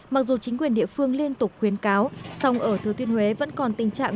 mặc dù chính quyền địa phương liên tục khuyến cáo sông ở thứ tuyên huế vẫn còn tình trạng